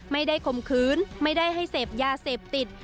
ไม่ได้ข่มขื้นไม่ได้ให้เสพยาเสพติด